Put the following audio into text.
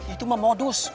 itu mah modus